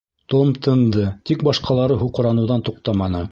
Том тынды, тик башҡалары һуҡраныуҙан туҡтаманы.